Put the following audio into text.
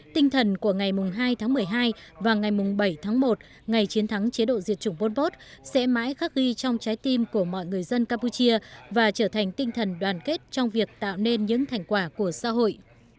tinh thần của ngày hai tháng một mươi hai và ngày bảy tháng một ngày chiến thắng chế độ diệt chủng pol pot sẽ mãi khắc ghi trong trái tim của mọi người dân campuchia và trở thành tinh thần đoàn kết trong việc tạo nên những thành quả của xã hội